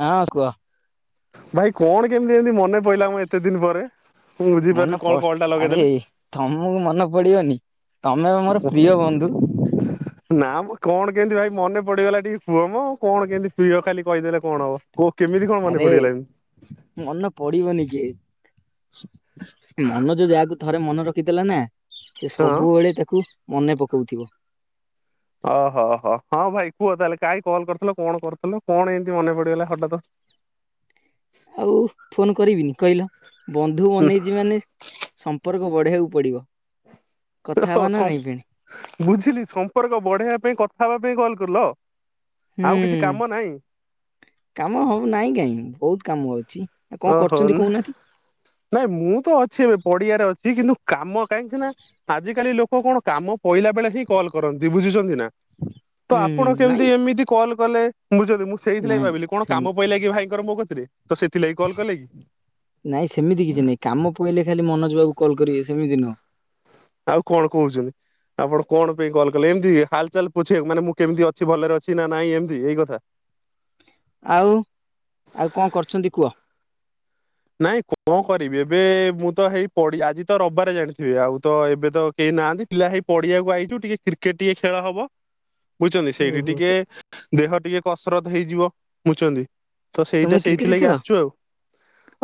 ହଁ କୁହ। ଭାଇ କଣ କେମିତି ଏମିତି ମନେ ପଇିଲା ମୁ ଏତେ ଦିନ ପରେ ମୁଁ ମନେ ବୁଝିପାରିନି ପ କଣ କଲଟା ଆରେ ଲଗେଇଦେଲେ। ତମକୁ ମନେ ପଡିବନି ତମେ ମୋର ପ୍ରିୟ ବନ୍ଧୁ। [inaudible] ନା କଣ କେମିତି ଭାଇ ମନେ ପଡିଗଲା କୁହ ମ। କଣ କେମିତି ପ୍ରିୟ ଖାଲି କହିଦେଲେ କଣ ହବ କୋ କେମିତି କଣ ମନେ ପଡିଗଲାଣି। ମନ ପଡିବନି କେ। ମନ ଯୋଉ ଯାହାକୁ ଥରେ ମନ ରଖିଥିଲା ନା ସେ ହଁ? ସବୁବେଳେ ତାକୁ ମନେ ପକଉଥିବ। ଓହୋହୋ ହଁ ଭାଇ କୁହ ତାହେଲେ କାହିଁ କଲ୍ କରିଥିଲ କଣ କରୁଥିଲ କଣ ଏମିତି ମନେ ପଡିଗଲା ହଠାତ୍। ଆଉ ଫୋନ କରିବିନି କହିଲ ବନ୍ଧୁ ବନେଇଛି ମାନେ। ସମ୍ପର୍କ ବଢେଇବାକୁ ପଡିବ। କଥା ହବା ନା ବୁଝିଲି ନାଇଁ ଫେଣି ସମ୍ପ- ସମ୍ପର୍କ ବଢେଇବା ପାଇଁ କଥା ହେବା ପାଇଁ କଲ୍ କଲ। ଆଉ କିଛି କାମ ହୁଁ ନାହିଁ? କାମ ହବ ନାଇଁ କାହିଁ ବହୁତ କାମ ହଉଛି। ଓହୋ ନା ନାଇଁ ମୁଁ ତ ଅଛି ଏବେ ପଡିଆରେ ଅଛି କିନ୍ତୁ କାମ କାହିଁକି ନା ଆଜ କାଲି ଲୋକ କଣ କାମ ପହିଲା ବେଳେ ହିଁ କଲ୍ କରନ୍ତି ବୁଝୁଛନ୍ତି ନା। ତ ହୁଁ ହୁଁ ଆପଣ ନାଇଁ କେମତି ଏମିତି କଲ କଲେ ବୁଝୁଛନ୍ତି ମୁଁ ସେଇଥିଥିଲାଗ ନାଇଁ ଭାବିଲି କଣ ସେମ କାମ ପଇଲା କି ଭାଇଙ୍କର ମୋ କତିରେ। ତ ସେଥିଲାଗି କଲ୍ କଲେ କି ନାଇଁ ସେମିତି କିଛି ନାଇଁ କାମ ପଇଲେ ଖାଲି ମନୋଜ ବାବୁ କଲ କରିବେ ସେମିତି ନୁହଁ। ଆଉ କଣ କହୁଛନ୍ତି? ଆପଣ କଣ ପାଇଁ କଲ୍ କଲେ ଏମିତି ହାଲଚାଲ ପଛେଇବାକୁ ମାନେ ମୁଁ କେମିତି ଅଛି ଭଲରେ ଅଛି ନା ନାଇଁ ଏମିତି ଏଇ କଥା। ଆଉ ଆଉ କଣ କରୁଛନ୍ତି କୁହ? ନାଇଁ କଣ କରିବି ଏବେ ମୁଁ ତ ହେଇ ପଢ଼ି ଆଜି ତ ରବିବାରେ ଜାଣିଥିବି ଆଉ ତ ଏବେ ତ କେହି ନାହାନ୍ତି। ପିଲା ହେଇ ପଡିଆକୁ ଆଇଛୁ ଟିକେ କ୍ରିକେଟ ଟିକେ ଖେଳ ହବ। ବୁଝୁଛନ୍ତି ସିଏବି ଓହୋ ତ ଟିକେ ଦେହ ଟିକେ କସରତ ହେଇଯିବ ବୁଝୁଛନ୍ତି। ତ ତମେ ସେଇଟା କ୍ରିକେଟ ସେଇଥିଲାଗି ଖେଳ ଆସିଛୁ ଆଉ।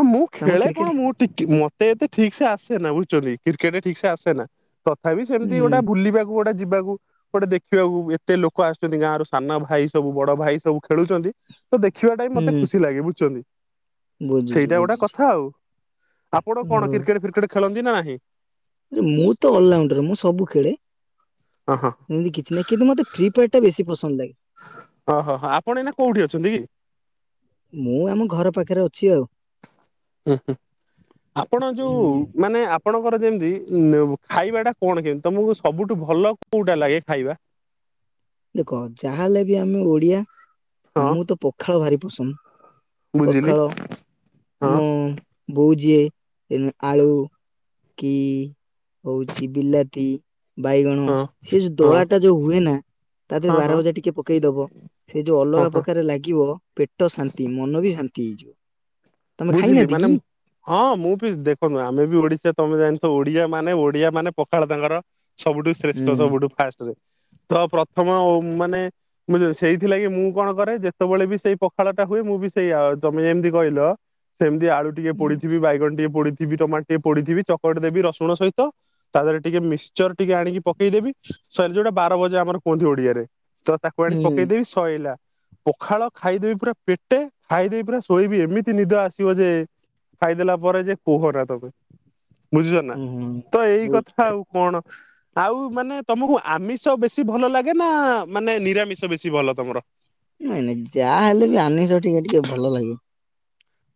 ମୁଁ ତମେ ଖେଳେ କ୍ରିକେଟ କଣ ମୁଁ ଟିକେ ମତେ ଏତେ ଠିକ ସେ ଆସେନା ବୁଝୁଛନ୍ତି କ୍ରିକେଟରେ ଠିକ ସେ ଆସେନା। ତଥାପି ସେମିତି ଗୋଟେ ହୁଁ ବୁଲିବାକୁ ଗୋଟେ ଯିବାକୁ। ଗୋଟେ ଦେଖିବାକୁ ଏତେ ଲୋକ ଆସୁଛନ୍ତି ଗାଁ ରୁ ସାନ ଭାଇ ସବୁ ବଡ ଭାଇ ସବୁ ଖେଳୁଛନ୍ତି। ତ ଦେଖିବାଟା ହିଁ ମତେ ଖୁସି ଲାଗେ ବୁଝୁଛନ୍ତି। ବୁଝୁଛି। ଏଇଟା ଗୋଟେ ବୁଝୁଛି କଥା ଆଉ ଆପଣ ଓ କଣ କ୍ରିକେଟ ଫ୍ରିକେଟ ଖେଳନ୍ତି ନା ନାହିଁ। ରେ ମୁଁ ତ ଅଲରାଉଣ୍ଡର ମୁଁ ସବୁ ଖେଳେ। ହଁ ହଁଁ। ଏମିତି କିଛି ନାଁ କିନ୍ତୁ ମତେ ଫ୍ରି ଫାୟାର ଟା ବେଶୀ ପସନ୍ଦ ଲାଗେ। ଓହୋ ହଁ ଆପଣ ଏଇନା କୋଉଠି ଅଛନ୍ତି? ମୁଁ ଆମ ଘର ପାଖରେ ଅଛି ଆଉ। ଆପଣ ହୁଁ ଯୋଉ ମାନେ ଆ ଆପଣଙ୍କର ଯେମିତି ଖାଇବା ଟା କଣ କେମିତି ତମକୁ ସବୁଠୁ ଭଲ କୋଉଟା ଲାଗେ ଖାଇବା? ଦେଖ ଯାହା ହେଲେ ବି ଆମେ ଓଡ଼ିଆ ହଁ ଆମକୁ ତ ପଖାଳ ଭାରି ପସନ୍ଦ। ବୁଝିଲି ପଖାଳ ହଁ ଆମ ବୋଉ ଯିଏ ଆଳୁ। କି ହଉଛି ବିଲାତି ବାଇଗଣ ହଁ ସେ ଯୋଉ ହଁ ଦଳା ଟା ଯୋଉ ହୁଏ ନା ତା ଦେହରେ ହଁ ହଁ ହଁ ବାର ହଁ ଭଜା ଟିକେ ପକେଇଦବ ସେ ଯୋଉ ହଁ। ଅଲଗା ପ୍ରକାରେ ଲାଗିବ ପେଟ ଟ ଶାନ୍ତି ମନ ବି ଶାନ୍ତି ହେଇଯିବ। ତମେ ବୁଝିଲି ଖାଇନାହାନ୍ତି କି? ମାନେ ହଁ ମୁଁ ବି ଦେଖନ୍ତୁ ଆମେ ବି ଓଡ଼ିଶା ତମେ ଜାଣିଛ ଓଡିଆ ମାନେ ଓଡିଆ ମାନେ ପଖାଳ ତାଙ୍କର ସବୁଠୁ ହୁଁ ଶ୍ରେଷ୍ଠ ସବୁଠୁ ଫାଷ୍ଟରେ ତ ପ୍ରଥମ ମାନେ ମୁଁ ସେଇଥିଲାଗି ମୁଁ କଣ କରେ ଯେତେବେଳେ ବି ସେଇ ପଖାଳ ଟା ହୁଏ ମୁଁ ବି ସେଇଆ ତମେ ଯେମିତି କହିଲ। ସେମିତି ଆଳୁ ଟିକେ ପୋଡ଼ିଥିବି ବାଇଗଣ ଟିକେ ପୋଡ଼ିଥିବି ଟମାଟ ଟିକେ ପୋଡ଼ିଥିବି ଚକଟି ଦେବି ରସୁଣ ସହିତ। ତା ଦେହରେ ଟିକେ ମିକ୍ସଚର ଟିକେ ଆଣିକି ପକେଇଦେବି ସାର୍ ଯୋଉଟା ବାର ଭଜା ଆମର କୁହନ୍ତି ଓଡିଆରେ। ତ ତାକୁ ଆଣି ହୁଁ ପକେଇଦେବି ଶଇଲା ପଖାଳ ଖାଇଦେବି ପୁରା ପେଟେ ଖାଇଦେଇ ପୁରା ଶୋଇବି ଏମି ନିଦ ଆସିବ ଯେ ଖାଇଦେଲା ପରେ ଯେ କୁହ ନା ତମେ। ବୁଝିଛ ନା ହୁଁ ତ ଏଇ ବହୁତ କଥା ଖା ଆଉ। କଣ ଆଉ ମାନେ ତମକୁ ଆମିଷ ବେଶୀ ଭଲ ଲାଗେ ନା ମାନେ ନିରାମିଷ ବେଶୀ ଭଲ ତମର। ନାଇଁ ନାଇଁ ଯାହା ହେଲେ ବି ଆମିସ ଟିକେ ଟିକେ ଭଲ ଲାଗିବ।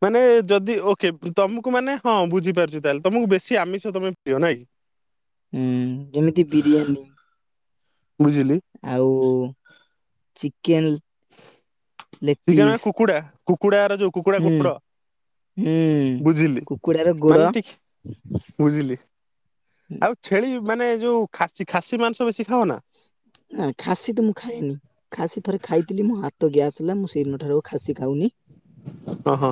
ମାନେ ଯଦି ଓକେ ତମକୁ ମାନେ ହଁ ବୁଝିପାରୁଛି ତାହେଲେ ତମକୁ ବେଶୀ ଆମିଷ ତମେ ପ୍ରିୟ ନାଇଁକି? [inaudible] ହୁଁ ଯେମିତି ବିରିୟାନୀ। ବୁଝିଲି। ଆଉ ଚିକେଲ୍। ଚିକେନ କୁକୁଡ଼ା କୁକୁଡ଼ା ର ଯୋଉ କୁକୁଡ଼ା ହୁଁ ଗୋଡ଼ ହୁଁ ବୁଝିଲି କୁକୁଡାର ଗୋଡ ମାନେ ଠିକ ବୁଝିଲି ଆଉ ଛେଳି ମାନେ ଯୋଉ ଖାସ ଖାସି ମାଂସ ବେଶୀ ଖାଅ ନା। ନା ଖାସି ତ ମୁଁ ଖାଏନି। ଖାସି ଥରେ ଖାଇଥିଲି ମୋ ହାତ ଗ୍ୟାସ୍ ହେଲା ମୁଁ ସେଇଦିନଠାରୁ ଆଉ ଖାସି ଖାଉନି। ଓହୋ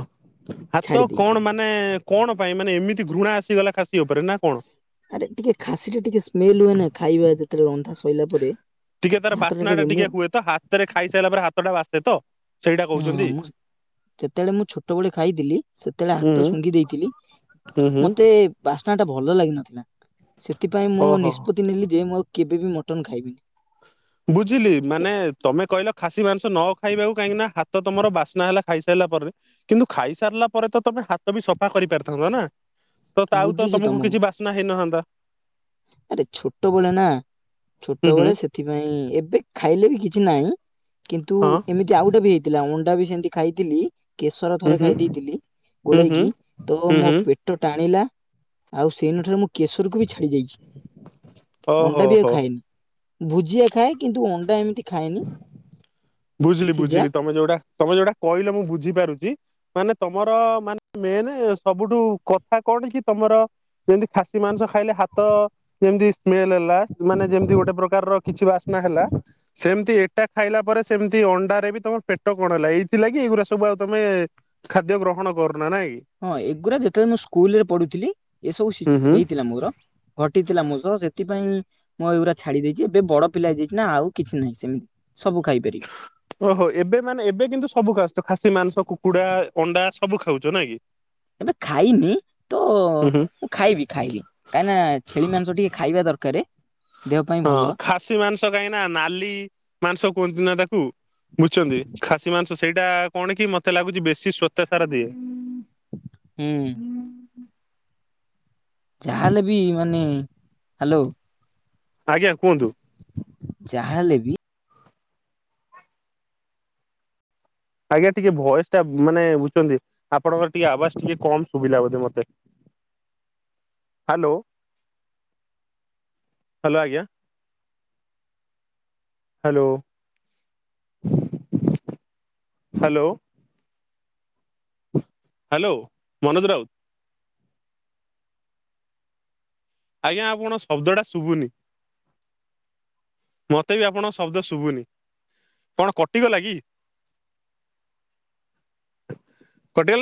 ଛାଡି ହାତ ଦେଇଛି। କଣ ମାନେ? ମାନେ କଣ ପାଇଁ ମାନେ ଏମିତି ଘୃଣା ଆସିଗଲା ଖାସି ଉପରେ ନା କଣ? ଆରେ ଟିକେ ଖାସି ଟା ଟିକେ ସ୍ମେଲ ହୁଏ ନା ଖାଇବା ଯେତେବେଳେ ରନ୍ଧା ସୋଇିଲଲା ପରେ। ଟିକେ ତାର ହାତଟା ବାସ୍ନା ଟା ମୁଁ ଟିକେ ହୁଏ ତ ହାତରେ ଖାଇସାରିଲା ପରେ ହାତ ଟା ବାସେ ତ? ସେଇଟା ହଁ କହୁଛନ୍ତି? ମୁଁ ଯେତେବେଳେ ମୁଁ ଛୋଟ ବଳେ ଖାଇଥିଲି ସେତେବେଳେ ହୁଁ ହାତ ଶୁଘି ଦେଇଥିଲି ହୁଁ ହୁଁ। ମତେ ବାସ୍ନା ଟା ଭଲ ଲାଗିନଥିଲା ସେଥିପାଇଁ ମୁଁ ଓହୋ। ନିଷ୍ପତି ନେଲି ଯେ ମୁଁ ଆଉ କେବେ ବି ମଟନ ଖାଇବିନି। ବୁଝିଲି ଏ ମାନେ ତମେ କହିଲ ଖାସି ମାଂସ ନ ଖାଇବାକୁ କାହିଁକି ନା ହାତ ତମର ବାସ୍ନା ହେଲା ଖାଇସାରିଲା ପରେ। କିନ୍ତୁ ଖାଇସାରିଲା ପରେ ତମେ ହାତ ବି ସଫା କରିପାରିଥାନ୍ତ ନା। ତ ତାଉ ତ ତମକୁ କିଛି ବାସ୍ନା ହେଇନଥାନ୍ତା। ଆରେ ଛୋଟବେଳେ ନା ହୁଁ ଛୋଟବେଳେ ହୁଁ ସେଥିପାଇଁ ଏବେ ଖାଇଲେ ବି କିଛି ନାହିଁ। କିନ୍ତୁ ହଁ ଏମିତି ଆଉ ଗଟେ ବି ହେଇଥିଲା ଅଣ୍ଡା ବି ସେମତି ଖାଇଥିଲି କେଶର ହୁଁ ଥରେ ହୁଁ ଖାଇ ଦେଇେଇଥିଲି ହୁଁ ହୁଁ ଗୋଳେଇକି ହୁଁ। ତ ମୋ ହୁଁ ପେଟ ପେଟ ଟାଣିଲା ଆଉ ସେଇ ନ ଠାରେ ମୁଁ କେଶର କକୁ ବି ଛାଡି ଯାଇଛି। ଅଣ୍ଡା ଓହୋ ବି ଆଉ ହୋ। ଖାଏନି ଭୁଜିଆ ଖାଏ କିନ୍ତୁ ଅଣ୍ଡା ଏମିତି ଖାଏନି। ବୁଝିଲି ସିଝା ବୁଝିଲି ତମେ ଯୋଉଟା ତମେ ଯୋଉଟା କହିଲ ମୁ ବୁଝିାପାରୁଛି। ମାନେ ତମର ମାନେ ମେନ୍ ସବୁଠୁ କଥା କଣ କି ତମର ଯେମିତି ଖାସି ମାଂସ ଖାଇଲେ ହାତ ଯେମତି ସ୍ମେଲ ହେଲା ମାନେ ଯେମତି ଗୋଟେ ପ୍ରକାରର କିଛି ବାସ୍ନା ହେଲା। ସେମିତି ଏଇଟା ଖାଇଲା ପରେ ସେମିତି ଅଣ୍ଡାରେ ବି ତମର ପେଟ କଣ ହେଲା ଏଇଥିଲାଗି ଏଇଗୁଡା ସବୁ ଆଉ ତମେ ଖାଦ୍ୟ ଗ୍ରହଣ କରୁନାରୁ ନା ନାଇଁ? ହଁ ଏଗୁରା ଯେତେବେଳେ ମୁଁ ସ୍କୁଲ ରେ ପଢୁଥିଲି ଏ ସବୁ ହୁଁ ହୁଁ ହେଇଥିଲା ମୋର। ଘଟିଥିଲା ମୋ ସହ ସେଥିପାଇଁ ମୁଁ ଏଇଗୁରା ଛାଡି ଦେଇଛି ଏବେ ବଡ ପିଲା ହେଇଯାଇଛି ନା ଆଉ କିଛି ନାହିଁ ସେମିତି। ସବୁ ଖାଇପାରିବି। ଓହୋ ଏବେ ମାନେ ଏବେ କିନ୍ତୁ ସବୁ ଖାଉସଛ ଖାସି ମାଂସ କୁକୁଡା ଅଣ୍ଡା ସବୁ ଖାଉଛ ନା କି? ଏବେ ଖାଇନି ତ ହୁଁ ହୁଁ ଖାଇବି ଖାଇବି କାହିଁକି ନା ଛେଳି ମାଂସ ଟିକେ ଖାଇବା ଦରକାର। ହଁ ଖାସି ମାଂସ କାହିଁକି ନା ନାଲି ମାଂସ କୁହନ୍ତି ନା ତାକୁ। ବୁଝୁଛନ୍ତି ଖାସି ମାଂସ ସେଇଟା କଣ କି ମତେ ଲାଗୁଛି ବେଶୀ ସ୍ଵତ ସାରା ଦିଏ। ହୁଁ। ଯାହାହେଲେ ବି ମାନେ ହାଲୋ। ଆଜ୍ଞା କୁହନ୍ତୁ? ଚାହା ହେଲେ ବି ଆଜ୍ଞା ଟିକେ ଭଏସ ଟା ମାନେ ବୁଝଛନ୍ତି ଆପଣଙ୍କର ଟିକେ ଆବାଜ ଟିକେ କମ ସୁବିା ବୋଧେ ମତେ। ହାଲୋ। ହାଲୋ ଆଜ୍ଞା hello. Hello. Hello Manoj Raut ଆଜ୍ଞା ଆପଣ ଶବ୍ଦ ଟା ଶୁଭୁନି? ମତେ ବି ଆପଣଙ୍କ ଶବ୍ଦ ଶୁଭୁନି କଣ କଟିଗଲା କି‌? କଟିଗଲା।